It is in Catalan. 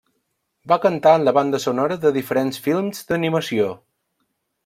Va cantar en la banda sonora de diferents films d'animació.